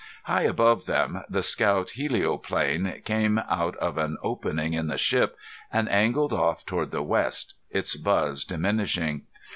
High above them the scout helioplane came out of an opening in the ship and angled off toward the west, its buzz diminishing.